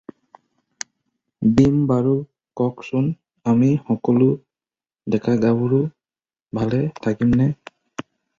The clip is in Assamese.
দিম বাৰু কওকচোন আমি সকলো ডেকা-গাভৰু ভালে থাকিমনে?